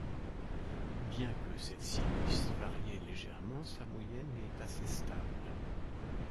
Bien que celle-ci puisse varier légèrement, sa moyenne est assez stable.